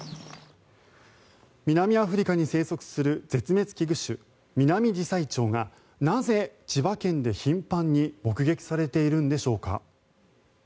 南アフリカに生息する絶滅危惧種ミナミジサイチョウがなぜ、千葉県で頻繁に目撃されているんでしょうか。